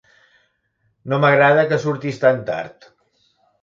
No m'agrada que surtis tan tard.